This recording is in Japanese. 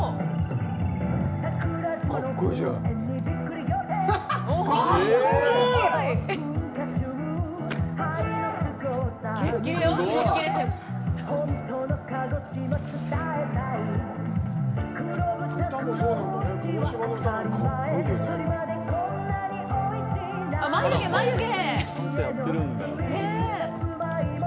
あっ、眉毛、眉毛！